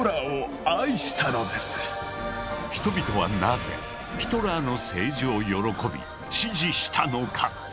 人々はなぜヒトラーの政治を喜び支持したのか？